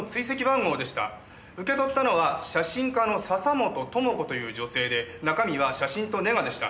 受け取ったのは写真家の笹本智子という女性で中身は写真とネガでした。